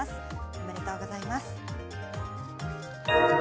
おめでとうございます。